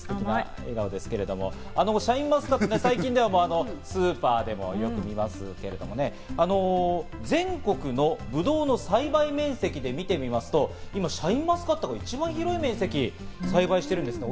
シャインマスカット、最近ではスーパーでもよく見ますけれども、全国のぶどうの栽培面積で見てみますと、今シャインマスカットは一番広い面積、栽培してるんですね。